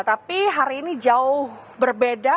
tapi hari ini jauh berbeda